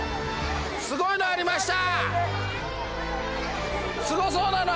すごいのありました！